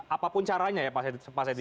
apapun caranya ya pak edi